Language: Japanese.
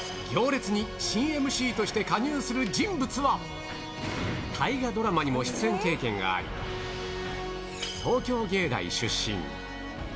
行列に新ＭＣとして加入する人物は、大河ドラマにも出演経験があり、東京藝大出身。